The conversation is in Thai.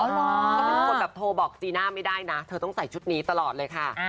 เขาเป็นคนแบบโทรบอกจีน่าไม่ได้นะเธอต้องใส่ชุดนี้ตลอดเลยค่ะ